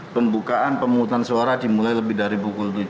pembukaan pemungutan suara dimulai lebih dari pukul tujuh